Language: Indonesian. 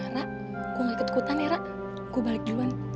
ra gue gak ketukutan ya ra gue balik duluan